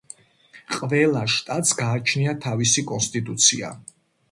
ყველა შტატს გააჩნია თავისი კონსტიტუცია.